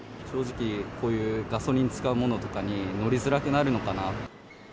正直、こういうガソリン使うものとかに乗りづらくなるのかな。